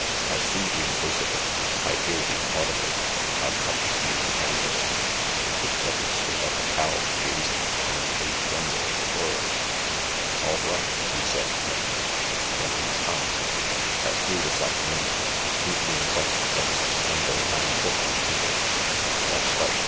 I see the invisible ; I hear the inaudi ble; I touch the intangible." The detective stood like a cow gazing on an eighth wonder of the world. "All right," he said, lamely. "When'll you come?" "At three this afternoon. Meet me in front of the place — number 950, isn't it? That's right.